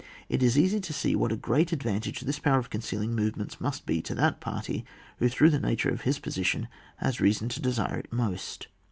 — It is easy to see, what a great advantage this power of concealing movements must be to that party, who through the nature of his position has reason to desire it most.